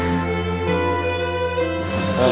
ya tapi aku mau